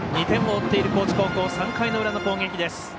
２点を追っている高知高校３回の裏の攻撃です。